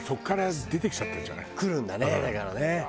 来るんだねだからね。